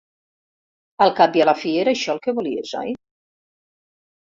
Al cap i a la fi era això el que volies, oi?